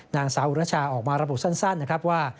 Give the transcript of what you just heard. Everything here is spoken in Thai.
นางสาวอุรชาออกมาระบุสั้นนะครับว่า